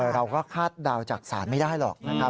เราก็คาดเดาจากศาลไม่ได้หรอกนะครับ